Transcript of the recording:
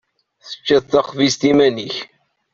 Teččiḍ taxbizt iman-ik.